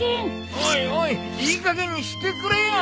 おいおいいいかげんにしてくれよ。